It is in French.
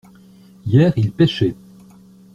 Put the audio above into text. Hier il pêchait.